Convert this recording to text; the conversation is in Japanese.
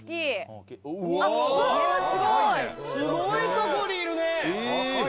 すごいとこにいるね。